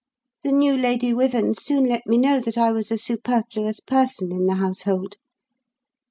The new Lady Wyvern soon let me know that I was a superfluous person in the household.